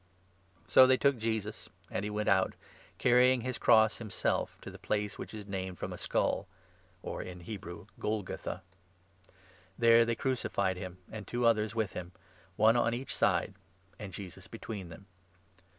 So they took Jesus ; and he went out, carrying 17 The his cross himself, to the place which is named from °o7je8uL!n a skull> or« in Hebrew, Golgotha. There they 18 crucified him, and two others with him — one on each side, and Jesus between them.